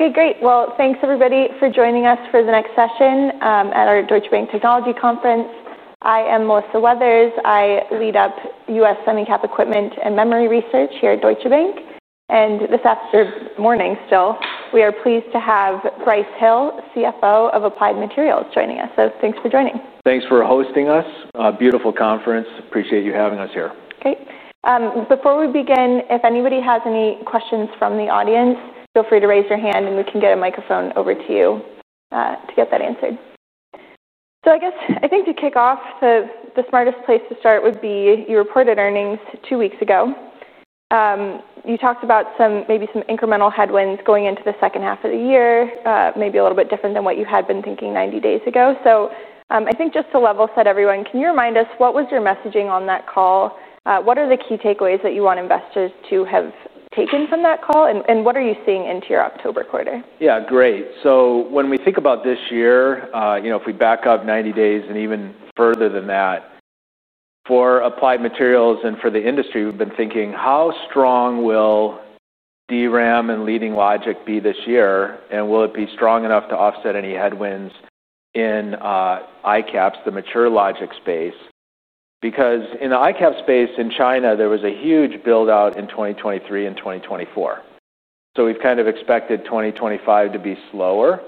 Okay, great. Thanks, everybody, for joining us for the next session at our Deutsche Bank Technology Conference. I am Melissa Weathers. I lead up US Semicap Equipment and Memory Research here at Deutsche Bank. This afternoon, morning still, we are pleased to have Brice Hill, CFO of Applied Materials, joining us. Thanks for joining. Thanks for hosting us. Beautiful conference. Appreciate you having us here. Great. Before we begin, if anybody has any questions from the audience, feel free to raise your hand and we can get a microphone over to you to get that answered. I think to kick off, the smartest place to start would be you reported earnings two weeks ago. You talked about maybe some incremental headwinds going into the second half of the year, maybe a little bit different than what you had been thinking 90 days ago. I think just to level set everyone, can you remind us what was your messaging on that call? What are the key takeaways that you want investors to have taken from that call? What are you seeing into your October quarter? Yeah, great. When we think about this year, if we back up 90 days and even further than that, for Applied Materials and for the industry, we've been thinking, how strong will DRAM and leading logic be this year? Will it be strong enough to offset any headwinds in ICAPS, the mature logic space? In the ICAPS space in China, there was a huge buildout in 2023 and 2024. We've kind of expected 2025 to be slower.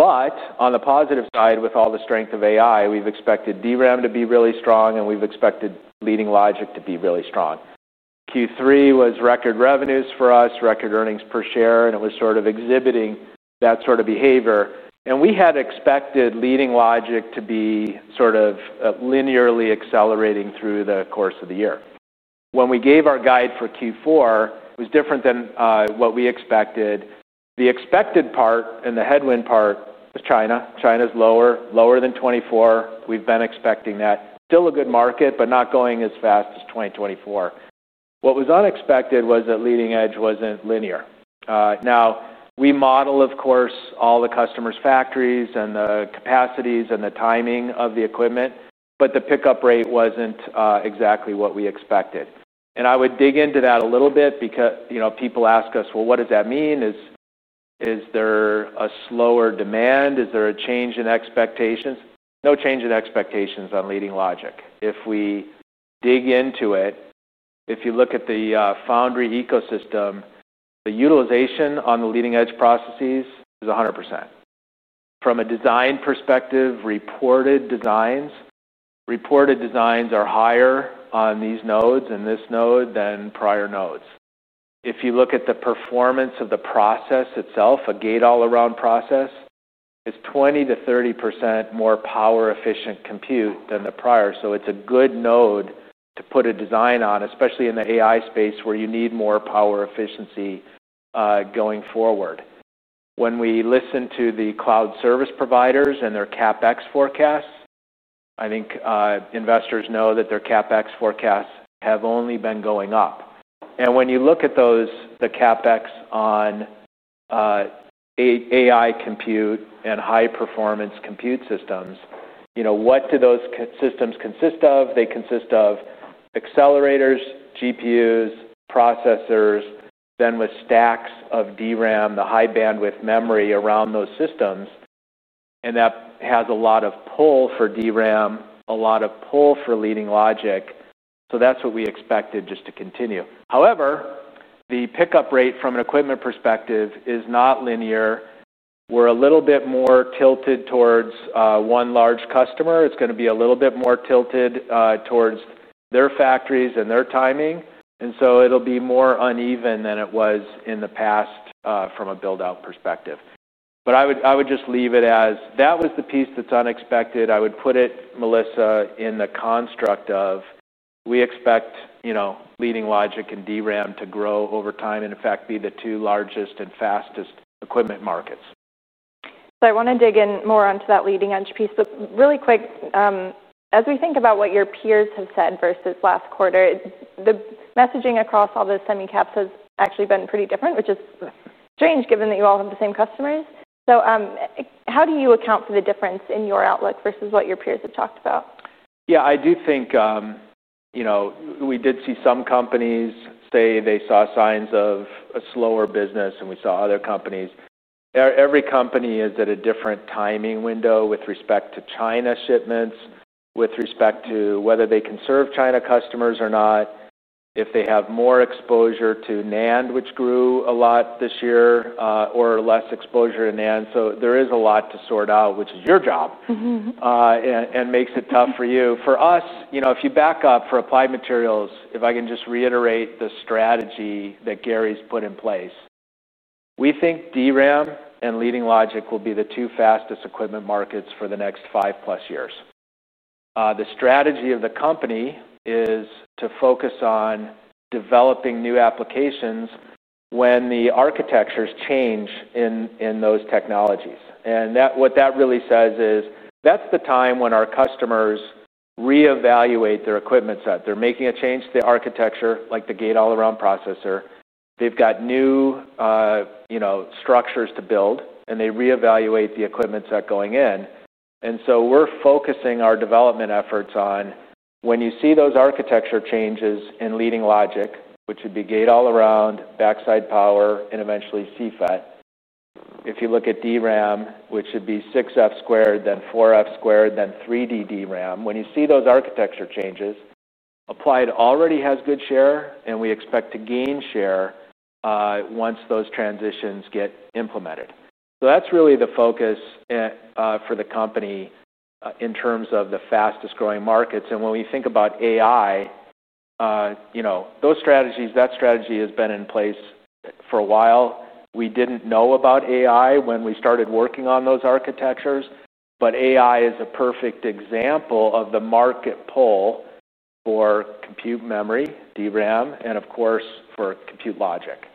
On the positive side, with all the strength of AI, we've expected DRAM to be really strong and we've expected leading logic to be really strong. Q3 was record revenues for us, record earnings per share, and it was exhibiting that sort of behavior. We had expected leading logic to be linearly accelerating through the course of the year. When we gave our guide for Q4, it was different than what we expected. The expected part and the headwind part was China. China's lower, lower than 2024. We've been expecting that. Still a good market, but not going as fast as 2024. What was unexpected was that leading edge wasn't linear. We model, of course, all the customers' factories and the capacities and the timing of the equipment, but the pickup rate wasn't exactly what we expected. I would dig into that a little bit because people ask us, what does that mean? Is there a slower demand? Is there a change in expectations? No change in expectations on leading logic. If we dig into it, if you look at the foundry ecosystem, the utilization on the leading edge processes is 100%. From a design perspective, reported designs are higher on these nodes and this node than prior nodes. If you look at the performance of the process itself, a gate-all-around process, it's 20%-30% more power-efficient compute than the prior. It's a good node to put a design on, especially in the AI space where you need more power efficiency going forward. When we listen to the cloud service providers and their CapEx forecasts, I think investors know that their CapEx forecasts have only been going up. When you look at those, the CapEx on AI compute and high-performance compute systems, what do those systems consist of? They consist of accelerators, GPUs, processors, then with stacks of DRAM, the high-bandwidth memory around those systems. That has a lot of pull for DRAM, a lot of pull for leading logic. That's what we expected just to continue. However, the pickup rate from an equipment perspective is not linear. We're a little bit more tilted towards one large customer. It's going to be a little bit more tilted towards their factories and their timing. It will be more uneven than it was in the past from a buildout perspective. I would just leave it as that was the piece that's unexpected. I would put it, Melissa, in the construct of we expect, you know, leading logic and DRAM to grow over time and, in fact, be the two largest and fastest equipment markets. I want to dig in more onto that leading-edge piece. Really quick, as we think about what your peers have said versus last quarter, the messaging across all the semicaps has actually been pretty different, which is strange given that you all have the same customers. How do you account for the difference in your outlook versus what your peers have talked about? Yeah, I do think, you know, we did see some companies say they saw signs of a slower business and we saw other companies. Every company is at a different timing window with respect to China shipments, with respect to whether they can serve China customers or not, if they have more exposure to NAND, which grew a lot this year, or less exposure to NAND. There is a lot to sort out, which is your job and makes it tough for you. For us, you know, if you back up for Applied Materials, if I can just reiterate the strategy that Gary's put in place, we think DRAM and leading logic will be the two fastest equipment markets for the next 5+ years. The strategy of the company is to focus on developing new applications when the architectures change in those technologies. What that really says is that's the time when our customers reevaluate their equipment set. They're making a change to the architecture, like the gate-all-around processor. They've got new, you know, structures to build and they reevaluate the equipment set going in. We're focusing our development efforts on when you see those architecture changes in leading logic, which would be gate-all-around, backside power, and eventually CFET. If you look at DRAM, which should be 6F squared, then 4F squared, then 3D DRAM, when you see those architecture changes, Applied already has good share and we expect to gain share once those transitions get implemented. That's really the focus for the company in terms of the fastest growing markets. When we think about AI, you know, those strategies, that strategy has been in place for a while. We didn't know about AI when we started working on those architectures, but AI is a perfect example of the market pull for compute memory, DRAM, and of course for compute logic.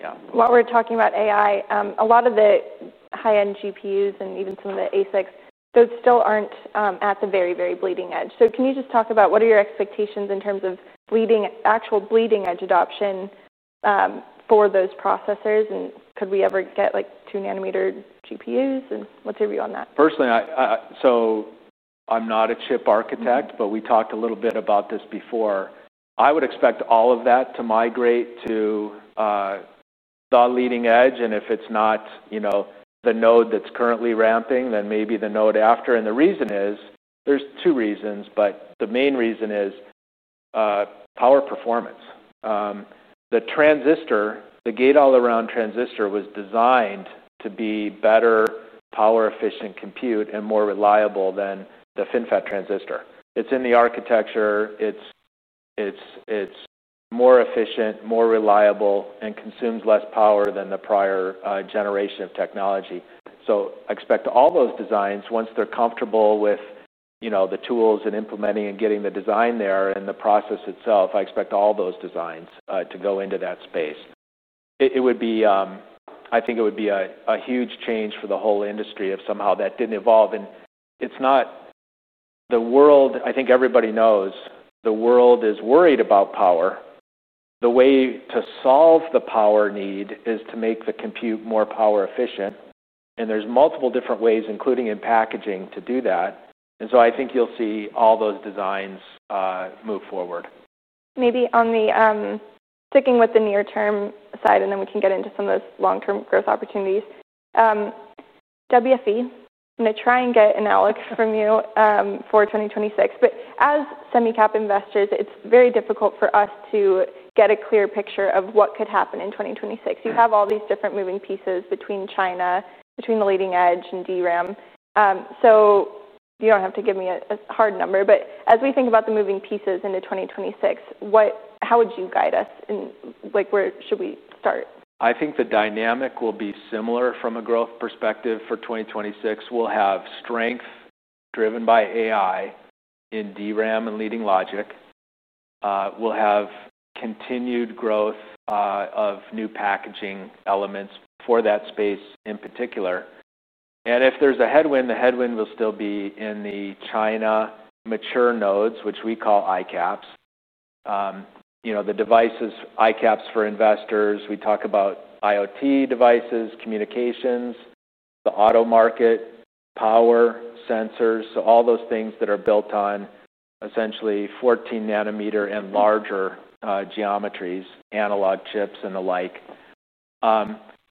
Yeah, while we're talking about AI, a lot of the high-end GPUs and even some of the ASICs, those still aren't at the very, very bleeding edge. Can you just talk about what are your expectations in terms of actual bleeding edge adoption for those processors? Could we ever get like two-nanometer GPUs? What's your view on that? Personally, I'm not a chip architect, but we talked a little bit about this before. I would expect all of that to migrate to the leading edge. If it's not the node that's currently ramping, then maybe the node after. The reason is, there's two reasons, but the main reason is power performance. The transistor, the gate-all-around transistor, was designed to be better power-efficient compute and more reliable than the FinFET transistor. It's in the architecture. It's more efficient, more reliable, and consumes less power than the prior generation of technology. I expect all those designs, once they're comfortable with the tools and implementing and getting the design there and the process itself, I expect all those designs to go into that space. I think it would be a huge change for the whole industry if somehow that didn't evolve. Everybody knows the world is worried about power. The way to solve the power need is to make the compute more power efficient. There are multiple different ways, including in packaging, to do that. I think you'll see all those designs move forward. Maybe on the sticking with the near-term side, and then we can get into some of those long-term growth opportunities. WFE, I'm going to try and get an outlook from you for 2026. As semicap investors, it's very difficult for us to get a clear picture of what could happen in 2026. You have all these different moving pieces between China, between the leading edge and DRAM. You don't have to give me a hard number. As we think about the moving pieces into 2026, how would you guide us? Where should we start? I think the dynamic will be similar from a growth perspective for 2026. We'll have strength driven by AI in DRAM and leading logic. We'll have continued growth of new packaging elements for that space in particular. If there's a headwind, the headwind will still be in the China mature nodes, which we call ICAPS. You know, the devices, ICAPS for investors, we talk about IoT devices, communications, the auto market, power, sensors. All those things that are built on essentially 14 nm and larger geometries, analog chips and the like.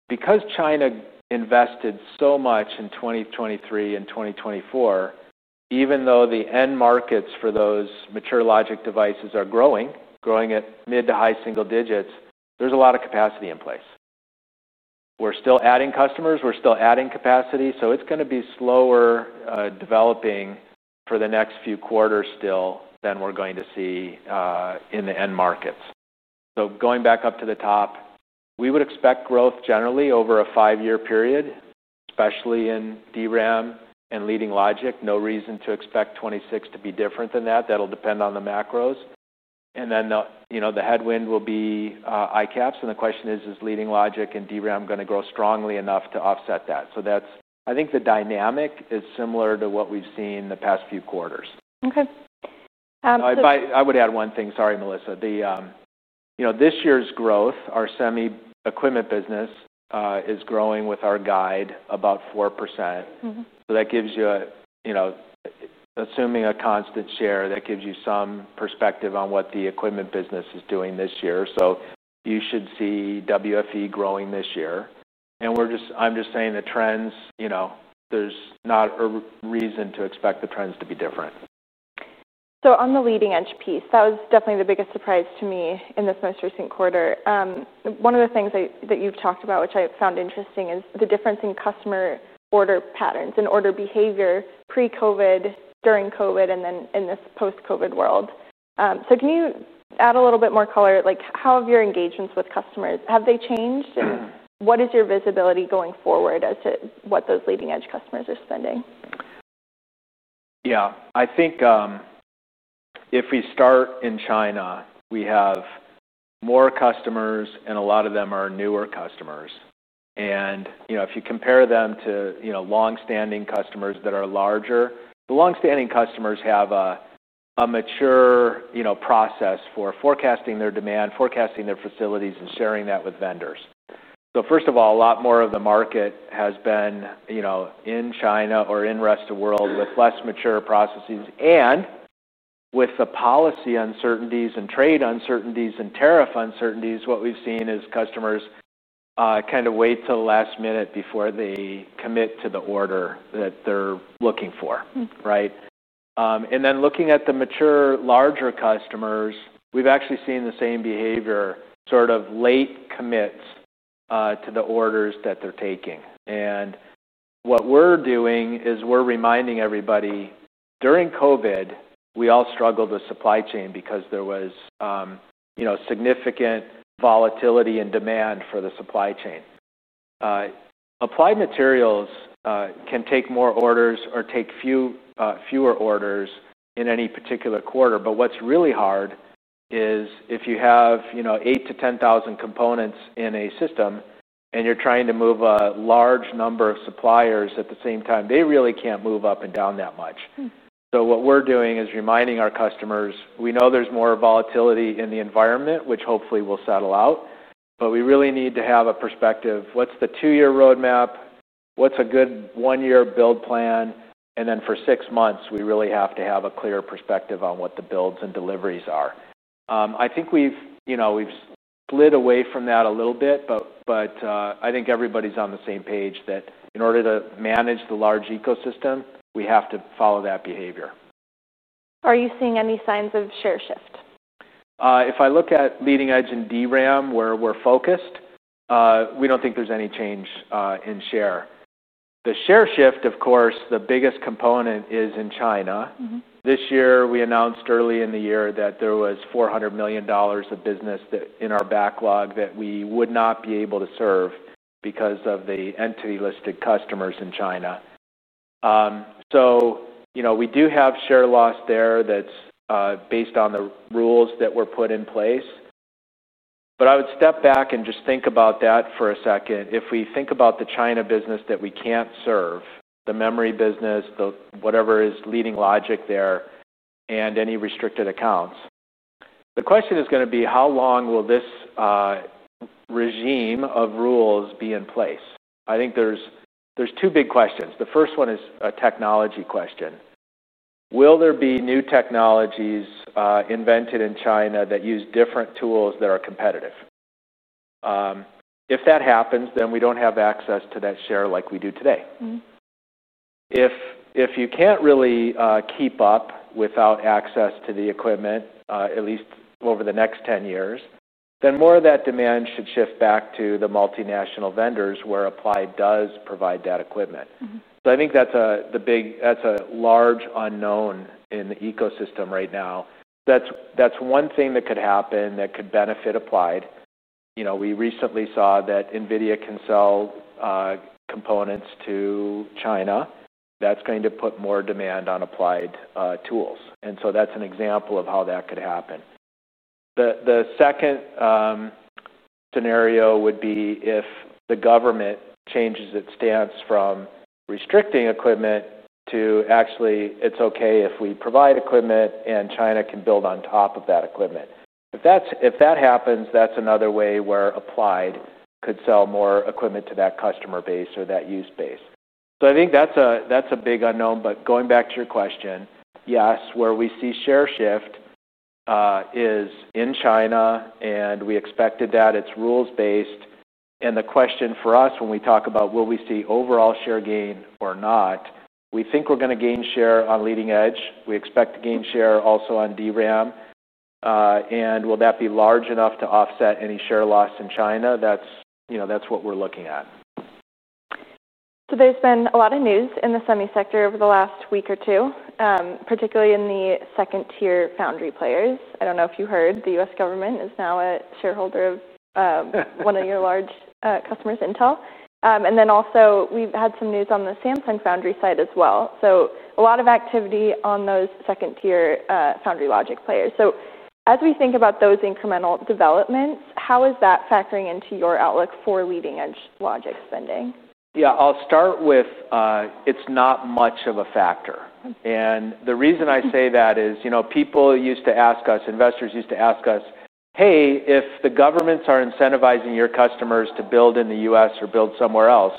Because China invested so much in 2023 and 2024, even though the end markets for those mature logic devices are growing, growing at mid to high single digits, there's a lot of capacity in place. We're still adding customers. We're still adding capacity. It's going to be slower developing for the next few quarters still than we're going to see in the end markets. Going back up to the top, we would expect growth generally over a five-year period, especially in DRAM and leading logic. No reason to expect 2026 to be different than that. That'll depend on the macros. The headwind will be ICAPS. The question is, is leading logic and DRAM going to grow strongly enough to offset that? I think the dynamic is similar to what we've seen in the past few quarters. Okay. I would add one thing. Sorry, Melissa. This year's growth, our semi-equipment business is growing with our guide about 4%. That gives you, assuming a constant share, some perspective on what the equipment business is doing this year. You should see WFE growing this year. I'm just saying the trends, there's not a reason to expect the trends to be different. On the leading edge piece, that was definitely the biggest surprise to me in this most recent quarter. One of the things that you've talked about, which I found interesting, is the difference in customer order patterns and order behavior pre-COVID, during COVID, and then in this post-COVID world. Can you add a little bit more color? How have your engagements with customers, have they changed? What is your visibility going forward as to what those leading edge customers are spending? Yeah, I think if we start in China, we have more customers and a lot of them are newer customers. If you compare them to longstanding customers that are larger, the longstanding customers have a mature process for forecasting their demand, forecasting their facilities, and sharing that with vendors. First of all, a lot more of the market has been in China or in the rest of the world with less mature processes and with the policy uncertainties and trade uncertainties and tariff uncertainties. What we've seen is customers kind of wait till the last minute before they commit to the order that they're looking for. Right. Looking at the mature, larger customers, we've actually seen the same behavior, sort of late commits to the orders that they're taking. What we're doing is reminding everybody during COVID, we all struggled with supply chain because there was significant volatility in demand for the supply chain. Applied Materials can take more orders or take fewer orders in any particular quarter. What's really hard is if you have eight to ten thousand components in a system and you're trying to move a large number of suppliers at the same time, they really can't move up and down that much. What we're doing is reminding our customers, we know there's more volatility in the environment, which hopefully will settle out. We really need to have a perspective. What's the two-year roadmap? What's a good one-year build plan? For six months, we really have to have a clear perspective on what the builds and deliveries are. I think we've split away from that a little bit, but I think everybody's on the same page that in order to manage the large ecosystem, we have to follow that behavior. Are you seeing any signs of share shift? If I look at leading-edge and DRAM where we're focused, we don't think there's any change in share. The share shift, of course, the biggest component is in China. This year, we announced early in the year that there was $400 million of business in our backlog that we would not be able to serve because of the entity-listed customers in China. We do have share loss there that's based on the rules that were put in place. I would step back and just think about that for a second. If we think about the China business that we can't serve, the memory business, whatever is leading logic there, and any restricted accounts, the question is going to be, how long will this regime of rules be in place? I think there's two big questions. The first one is a technology question. Will there be new technologies invented in China that use different tools that are competitive? If that happens, then we don't have access to that share like we do today. If you can't really keep up without access to the equipment, at least over the next 10 years, then more of that demand should shift back to the multinational vendors where Applied Materials does provide that equipment. I think that's a large unknown in the ecosystem right now. That's one thing that could happen that could benefit Applied Materials. We recently saw that NVIDIA can sell components to China. That's going to put more demand on Applied Materials tools. That's an example of how that could happen. The second scenario would be if the government changes its stance from restricting equipment to actually, it's okay if we provide equipment and China can build on top of that equipment. If that happens, that's another way where Applied Materials could sell more equipment to that customer base or that use base. I think that's a big unknown. Going back to your question, yes, where we see share shift is in China and we expected that it's rules-based. The question for us when we talk about will we see overall share gain or not, we think we're going to gain share on leading-edge. We expect to gain share also on DRAM. Will that be large enough to offset any share loss in China? That's what we're looking at. There's been a lot of news in the semi-sector over the last week or two, particularly in the second-tier foundry players. I don't know if you heard the U.S. government is now a shareholder of one of your large customers, Intel. We've had some news on the Samsung foundry side as well. A lot of activity on those second-tier foundry logic players. As we think about those incremental developments, how is that factoring into your outlook for leading-edge logic spending? Yeah, I'll start with it's not much of a factor. The reason I say that is, you know, people used to ask us, investors used to ask us, hey, if the governments are incentivizing your customers to build in the U.S. or build somewhere else,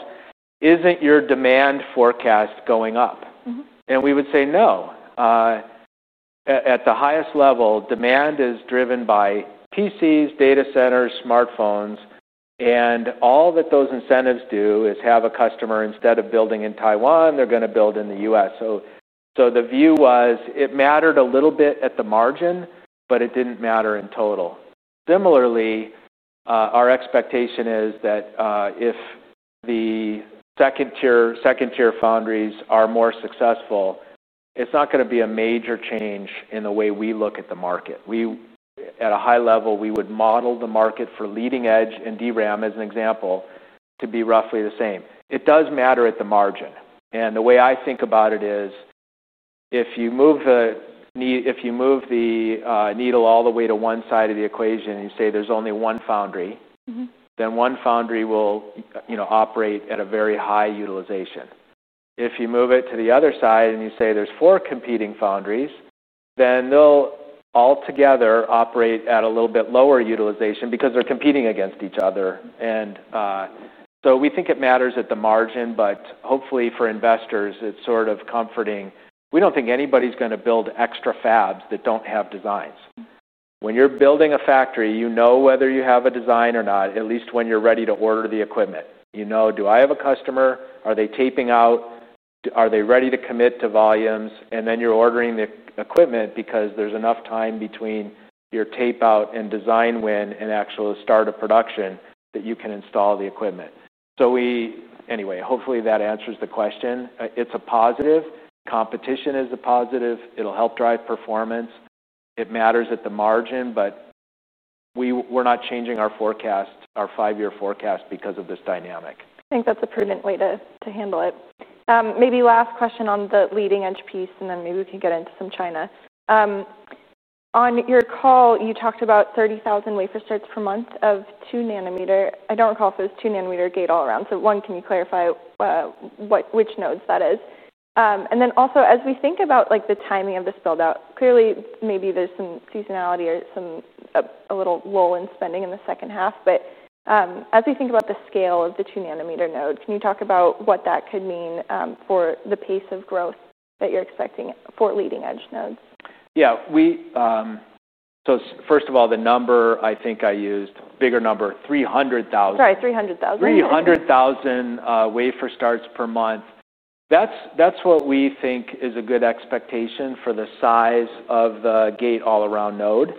isn't your demand forecast going up? We would say no. At the highest level, demand is driven by PCs, data centers, smartphones. All that those incentives do is have a customer, instead of building in Taiwan, they're going to build in the U.S. The view was it mattered a little bit at the margin, but it didn't matter in total. Similarly, our expectation is that if the second-tier foundries are more successful, it's not going to be a major change in the way we look at the market. At a high level, we would model the market for leading-edge logic and DRAM as an example to be roughly the same. It does matter at the margin. The way I think about it is if you move the needle all the way to one side of the equation and you say there's only one foundry, then one foundry will, you know, operate at a very high utilization. If you move it to the other side and you say there's four competing foundries, then they'll altogether operate at a little bit lower utilization because they're competing against each other. We think it matters at the margin, but hopefully for investors, it's sort of comforting. We don't think anybody's going to build extra fabs that don't have designs. When you're building a factory, you know whether you have a design or not, at least when you're ready to order the equipment. You know, do I have a customer? Are they taping out? Are they ready to commit to volumes? Then you're ordering the equipment because there's enough time between your tapeout and design win and actually start of production that you can install the equipment. Hopefully that answers the question. It's a positive. Competition is a positive. It'll help drive performance. It matters at the margin, but we're not changing our forecast, our five-year forecast because of this dynamic. I think that's a prudent way to handle it. Maybe last question on the leading-edge piece, and then maybe we can get into some China. On your call, you talked about 30,000 wafer starts per month of two nm. I don't recall if it was two nm gate-all-around. One, can you clarify which nodes that is? Also, as we think about the timing of this buildout, clearly maybe there's some seasonality or a little lull in spending in the second half. As we think about the scale of the two-nanometer nodes, can you talk about what that could mean for the pace of growth that you're expecting for leading-edge nodes? Yeah, first of all, the number I think I used, bigger number, 300,000. Sorry, 300,000. 300,000 wafer starts per month. That's what we think is a good expectation for the size of the gate-all-around node.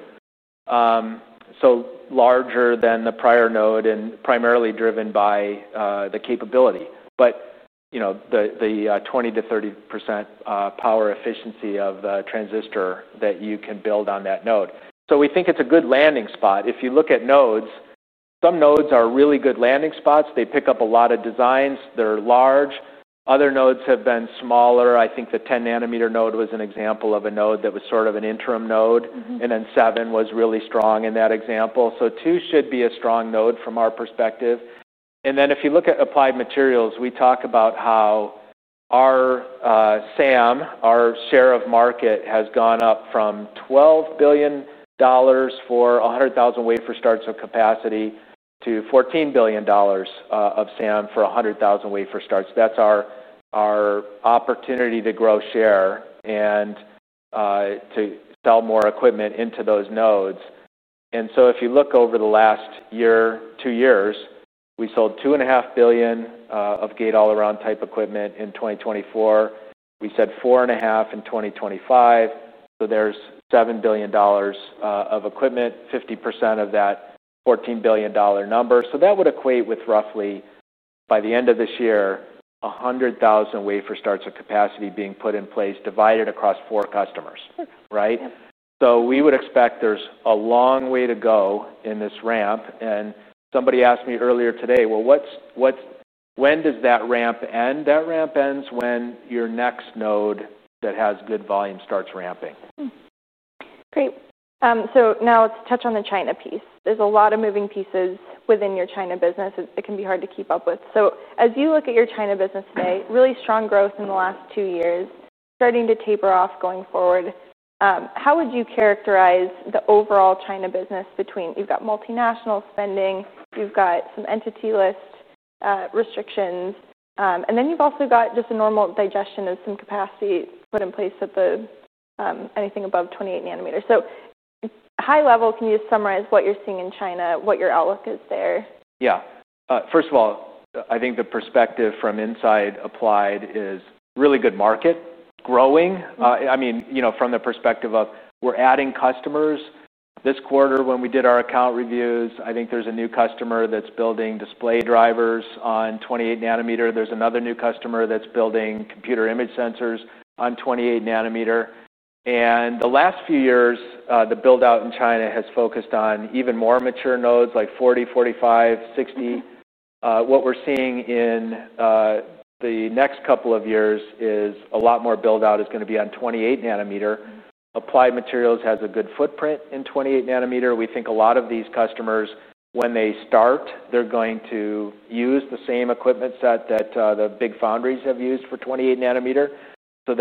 Larger than the prior node and primarily driven by the capability, the 20%-30% power efficiency of the transistor that you can build on that node. We think it's a good landing spot. If you look at nodes, some nodes are really good landing spots. They pick up a lot of designs. They're large. Other nodes have been smaller. I think the 10 nm node was an example of a node that was sort of an interim node. Seven was really strong in that example. Two should be a strong node from our perspective. If you look at Applied Materials, we talk about how our SAM, our share of market, has gone up from $12 billion for 100,000 wafer starts of capacity to $14 billion of SAM for 100,000 wafer starts. That's our opportunity to grow share and to sell more equipment into those nodes. If you look over the last year, two years, we sold $2.5 billion of gate-all-around type equipment in 2024. We said $4.5 billion in 2025. There's $7 billion of equipment, 50% of that $14 billion number. That would equate with roughly, by the end of this year, 100,000 wafer starts of capacity being put in place divided across four customers. We would expect there's a long way to go in this ramp. Somebody asked me earlier today, when does that ramp end? That ramp ends when your next node that has good volume starts ramping. Great. Now let's touch on the China piece. There are a lot of moving pieces within your China business. It can be hard to keep up with. As you look at your China business today, really strong growth in the last two years, starting to taper off going forward. How would you characterize the overall China business between you've got multinational spending, you've got some entity list restrictions, and you've also got just a normal digestion of some capacity put in place at anything above 28 nm. At a high level, can you just summarize what you're seeing in China, what your outlook is there? Yeah. First of all, I think the perspective from inside Applied Materials is really good, market growing. I mean, you know, from the perspective of we're adding customers. This quarter, when we did our account reviews, I think there's a new customer that's building display drivers on 28 nm. There's another new customer that's building computer image sensors on 28 nm. In the last few years, the buildout in China has focused on even more mature nodes like 40, 45, 60. What we're seeing in the next couple of years is a lot more buildout is going to be on 28 nm. Applied Materials has a good footprint in 28 nm. We think a lot of these customers, when they start, they're going to use the same equipment set that the big foundries have used for 28 nm.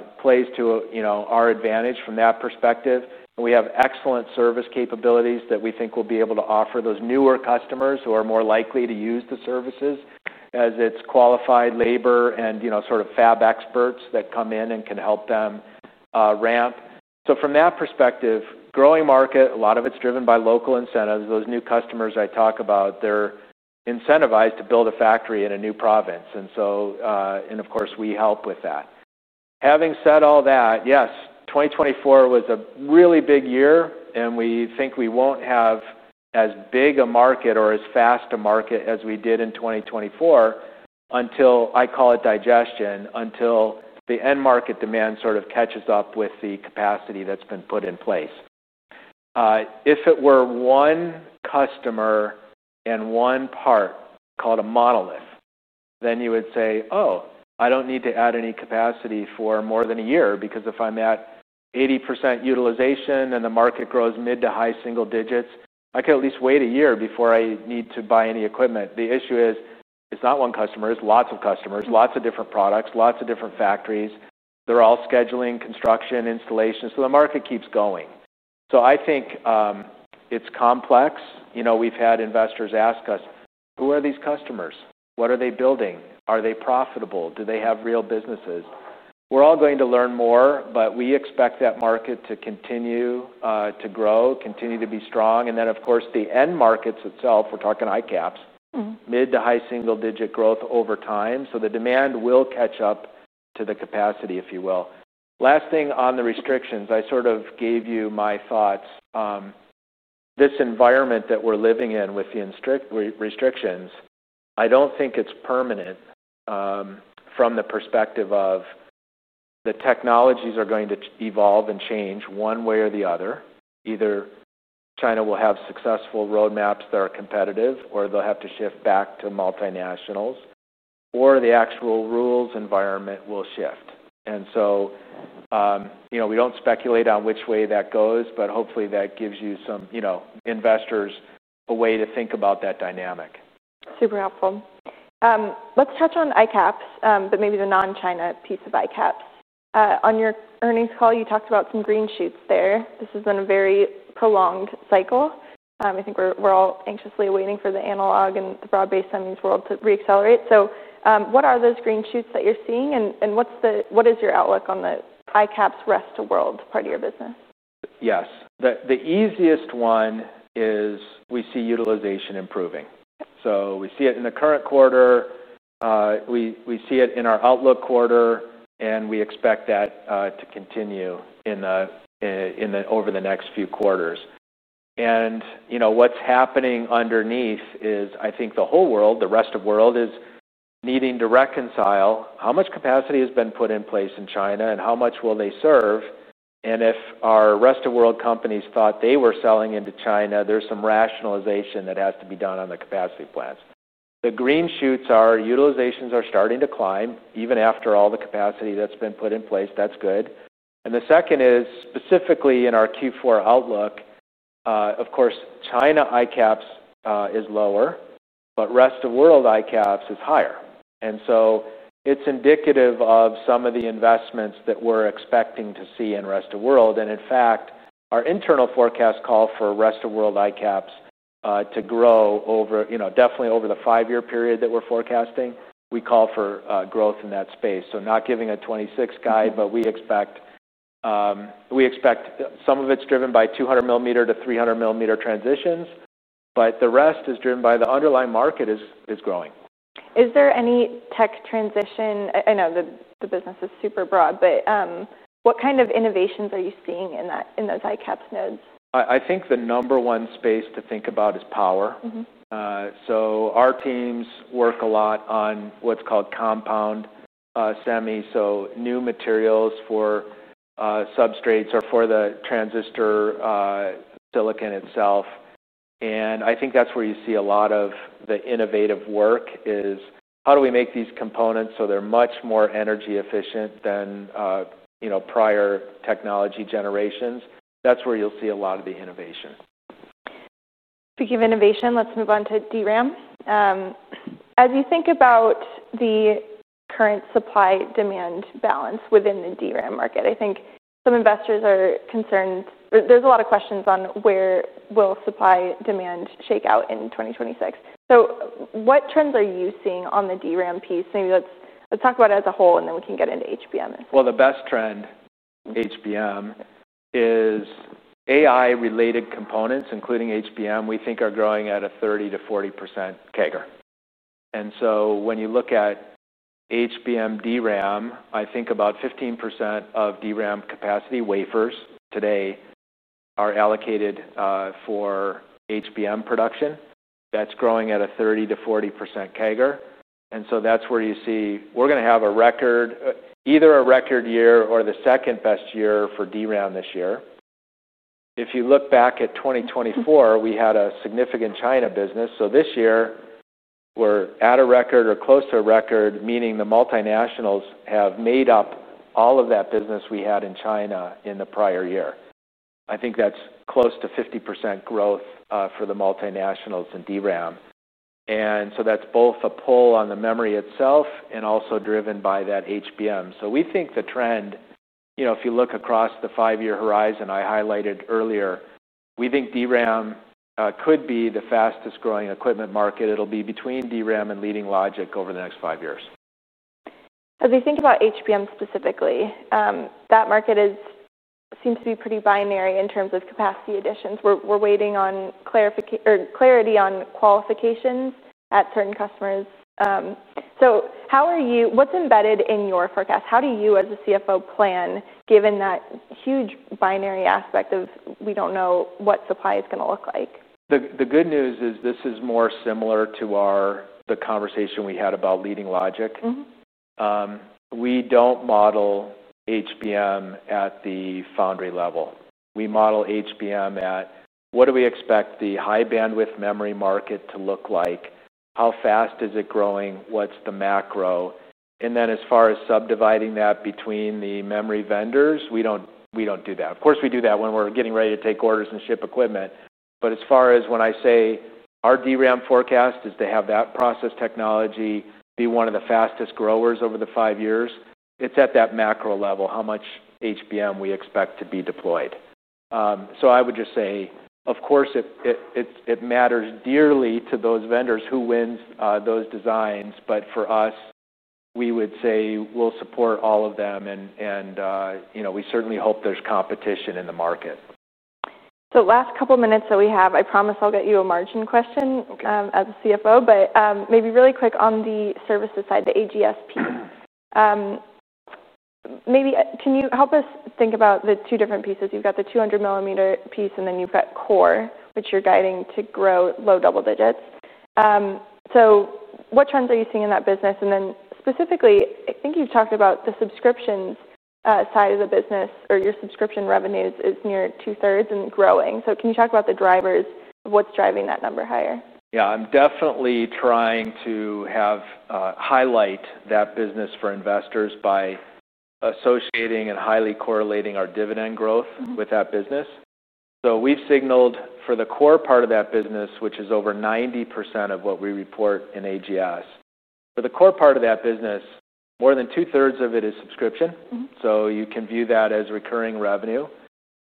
That plays to our advantage from that perspective. We have excellent service capabilities that we think we'll be able to offer those newer customers who are more likely to use the services as it's qualified labor and, you know, sort of fab experts that come in and can help them ramp. From that perspective, growing market, a lot of it's driven by local incentives. Those new customers I talk about, they're incentivized to build a factory in a new province. Of course, we help with that. Having said all that, yes, 2024 was a really big year. We think we won't have as big a market or as fast a market as we did in 2024 until, I call it digestion, until the end market demand sort of catches up with the capacity that's been put in place. If it were one customer and one part called a monolith, then you would say, oh, I don't need to add any capacity for more than a year because if I'm at 80% utilization and the market grows mid to high single digits, I can at least wait a year before I need to buy any equipment. The issue is it's not one customer, it's lots of customers, lots of different products, lots of different factories. They're all scheduling construction installations. The market keeps going. I think it's complex. We've had investors ask us, who are these customers? What are they building? Are they profitable? Do they have real businesses? We're all going to learn more, but we expect that market to continue to grow, continue to be strong. The end markets itself, we're talking ICAPS, mid to high single digit growth over time. The demand will catch up to the capacity, if you will. Last thing on the restrictions, I sort of gave you my thoughts. This environment that we're living in with the restrictions, I don't think it's permanent from the perspective of the technologies are going to evolve and change one way or the other. Either China will have successful roadmaps that are competitive, or they'll have to shift back to multinationals, or the actual rules environment will shift. You know, we don't speculate on which way that goes, but hopefully that gives you some investors a way to think about that dynamic. Super helpful. Let's touch on ICAPS, but maybe the non-China piece of ICAPS. On your earnings call, you talked about some green shoots there. This has been a very prolonged cycle. I think we're all anxiously waiting for the analog and the broad-based earnings world to reaccelerate. What are those green shoots that you're seeing? What is your outlook on the ICAPS rest of the world part of your business? Yes, the easiest one is we see utilization improving. We see it in the current quarter, we see it in our outlook quarter, and we expect that to continue over the next few quarters. What's happening underneath is I think the rest of the world is needing to reconcile how much capacity has been put in place in China and how much they will serve. If our rest of the world companies thought they were selling into China, there's some rationalization that has to be done on the capacity plants. The green shoots are utilizations are starting to climb even after all the capacity that's been put in place. That's good. The second is specifically in our Q4 outlook, of course, China ICAPS is lower, but rest of the world ICAPS is higher. It's indicative of some of the investments that we're expecting to see in rest of the world. In fact, our internal forecast calls for rest of the world ICAPS to grow definitely over the five-year period that we're forecasting. We call for growth in that space. Not giving a 2026 guide, but we expect some of it's driven by 200 mm-300 mm transitions, but the rest is driven by the underlying market is growing. Is there any tech transition? I know the business is super broad, but what kind of innovations are you seeing in those ICAPS nodes? I think the number one space to think about is power. Our teams work a lot on what's called compound semi, new materials for substrates or for the transistor silicon itself. I think that's where you see a lot of the innovative work, how do we make these components so they're much more energy efficient than, you know, prior technology generations. That's where you'll see a lot of the innovation. Speaking of innovation, let's move on to DRAM. As you think about the current supply-demand balance within the DRAM market, I think some investors are concerned. There's a lot of questions on where will supply-demand shake out in 2026. What trends are you seeing on the DRAM piece? Maybe let's talk about it as a whole and then we can get into HBM. The best trend, HBM, is AI-related components, including HBM, we think are growing at a 30%-40% CAGR. When you look at HBM DRAM, I think about 15% of DRAM capacity wafers today are allocated for HBM production. That's growing at a 30%-40% CAGR. That's where you see we're going to have a record, either a record year or the second best year for DRAM this year. If you look back at 2024, we had a significant China business. This year we're at a record or close to a record, meaning the multinationals have made up all of that business we had in China in the prior year. I think that's close to 50% growth for the multinationals in DRAM. That's both a pull on the memory itself and also driven by that HBM. We think the trend, you know, if you look across the five-year horizon I highlighted earlier, we think DRAM could be the fastest growing equipment market. It'll be between DRAM and leading logic over the next five years. As we think about HBM specifically, that market seems to be pretty binary in terms of capacity additions. We're waiting on clarity on qualifications at certain customers. How are you, what's embedded in your forecast? How do you, as a CFO, plan given that huge binary aspect of we don't know what supply is going to look like? The good news is this is more similar to the conversation we had about leading-edge logic. We don't model HBM at the foundry level. We model HBM at what do we expect the high-bandwidth memory market to look like? How fast is it growing? What's the macro? As far as subdividing that between the memory vendors, we don't do that. Of course, we do that when we're getting ready to take orders and ship equipment. As far as when I say our DRAM forecast is to have that process technology be one of the fastest growers over the five years, it's at that macro level, how much HBM we expect to be deployed. I would just say, of course, it matters dearly to those vendors who win those designs. For us, we would say we'll support all of them. We certainly hope there's competition in the market. the last couple of minutes that we have, I promise I'll get you a margin question as a CFO, but maybe really quick on the services side, the AGSP. Maybe can you help us think about the two different pieces? You've got the 200 mm piece and then you've got core, which you're guiding to grow low double digits. What trends are you seeing in that business? Specifically, I think you've talked about the subscriptions side of the business or your subscription revenue is near two thirds and growing. Can you talk about the drivers, what's driving that number higher? Yeah, I'm definitely trying to highlight that business for investors by associating and highly correlating our dividend growth with that business. We've signaled for the core part of that business, which is over 90% of what we report in AGS. For the core part of that business, more than two thirds of it is subscription, so you can view that as recurring revenue.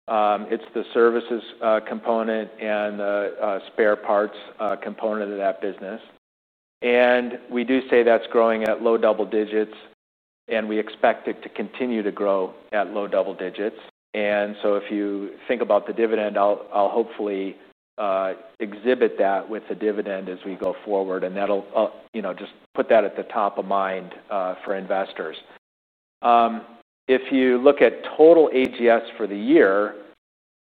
It's the services component and the spare parts component of that business. We do say that's growing at low double digits, and we expect it to continue to grow at low double digits. If you think about the dividend, I'll hopefully exhibit that with a dividend as we go forward. That'll just put that at the top of mind for investors. If you look at total AGS for the year,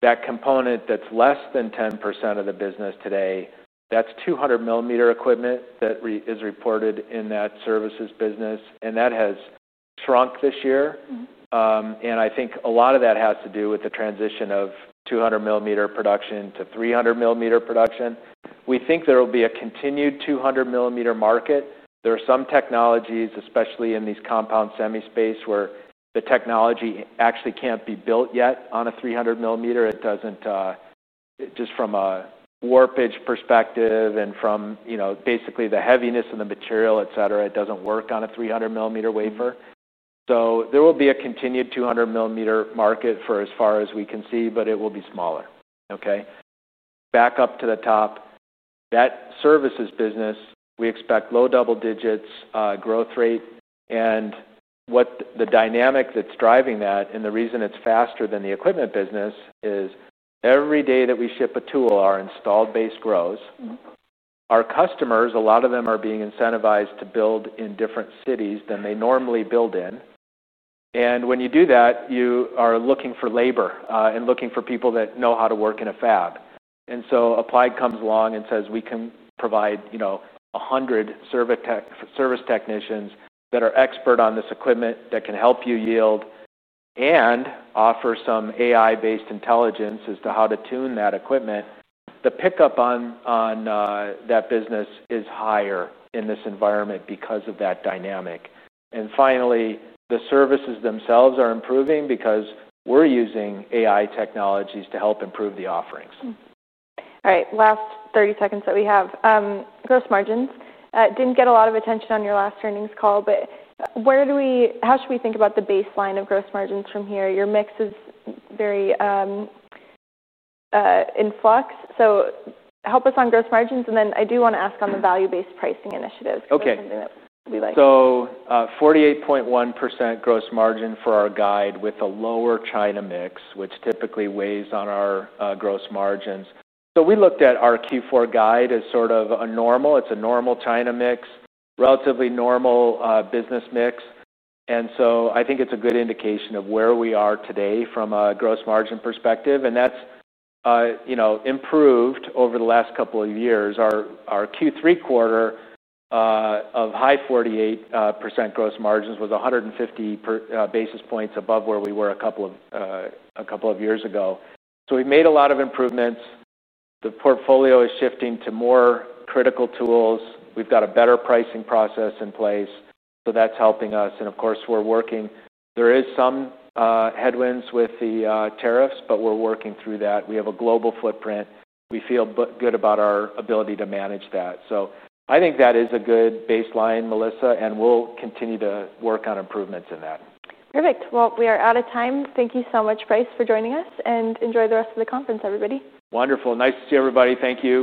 that component that's less than 10% of the business today, that's 200 mm equipment that is reported in that services business, and that has shrunk this year. I think a lot of that has to do with the transition of 200 mm production to 300 mm production. We think there will be a continued 200 mm market. There are some technologies, especially in these compound semi space, where the technology actually can't be built yet on a 300 mm. It doesn't, just from a warpage perspective and from basically the heaviness of the material, et cetera, it doesn't work on a 300 mm wafer. There will be a continued 200 mm market for as far as we can see, but it will be smaller. Back up to the top, that services business, we expect low double digits growth rate. The dynamic that's driving that and the reason it's faster than the equipment business is every day that we ship a tool, our installed base grows. Our customers, a lot of them are being incentivized to build in different cities than they normally build in. When you do that, you are looking for labor and looking for people that know how to work in a fab. Applied comes along and says we can provide 100 service technicians that are expert on this equipment that can help you yield and offer some AI-based intelligence as to how to tune that equipment. The pickup on that business is higher in this environment because of that dynamic. Finally, the services themselves are improving because we're using AI technologies to help improve the offerings. All right, last 30 seconds that we have. Gross margins. Didn't get a lot of attention on your last earnings call, but where do we, how should we think about the baseline of gross margins from here? Your mix is very in flux. Help us on gross margins. I do want to ask on the value-based pricing initiatives. Okay. So 48.1% gross margin for our guide with a lower China mix, which typically weighs on our gross margins. We looked at our Q4 guide as sort of a normal, it's a normal China mix, relatively normal business mix. I think it's a good indication of where we are today from a gross margin perspective. That's improved over the last couple of years. Our Q3 quarter of high 48% gross margins was 150 basis points above where we were a couple of years ago. We've made a lot of improvements. The portfolio is shifting to more critical tools. We've got a better pricing process in place. That's helping us. Of course, we're working, there are some headwinds with the tariff headwinds, but we're working through that. We have a global footprint. We feel good about our ability to manage that. I think that is a good baseline, Melissa, and we'll continue to work on improvements in that. Perfect. We are out of time. Thank you so much, Brice, for joining us and enjoy the rest of the conference, everybody. Wonderful. Nice to see everybody. Thank you.